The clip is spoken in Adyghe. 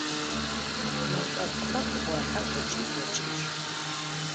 Meş'okuxer khı'ohex ıç'i 'oç'ıjıx.